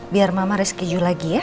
biar mama reski you lagi ya